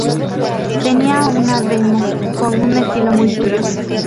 Tenía una "demo" con un estilo muy suyo.